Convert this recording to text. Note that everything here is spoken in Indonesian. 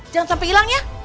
jangan sampai hilang ya